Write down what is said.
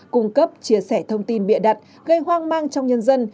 cung cấp chia sẻ thông tin bịa đặt gây hoang mang trong nhân dân